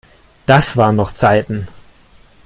Das waren noch Zeiten!